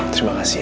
terima kasih ya